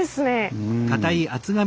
うん。